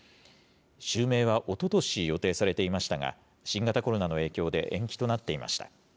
襲名はおととし予定されていましたが、新型コロナの影響で延期となっていました。